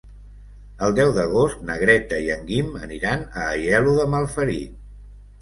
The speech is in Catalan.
El deu d'agost na Greta i en Guim aniran a Aielo de Malferit.